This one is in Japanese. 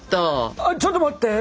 あっちょっと待って！